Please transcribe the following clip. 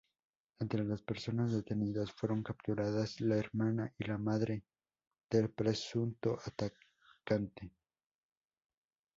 Entre las personas detenidas fueron capturadas la hermana y la madre del presunto atacante.